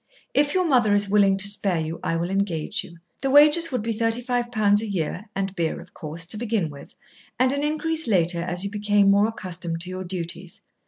If your mother is willing to spare you, I will engage you. The wages would be thirty five pounds a year (and beer, of course) to begin with, and an increase later as you became more accustomed to your duties.